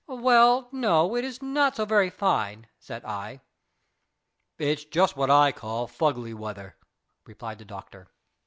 "Well, no it is not so very fine," said I. "It's just what I call fuggly weather," replied the doctor.